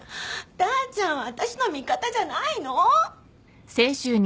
ダーちゃんはあたしの味方じゃないの！？